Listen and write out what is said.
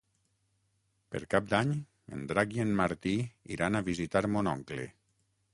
Per Cap d'Any en Drac i en Martí iran a visitar mon oncle.